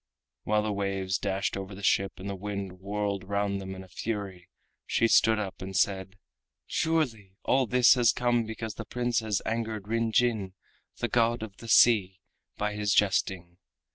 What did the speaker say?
While the waves dashed over the ship and the wind whirled round them in fury she stood up and said: "Surely all this has come because the Prince has angered Rin Jin, the God of the Sea, by his jesting.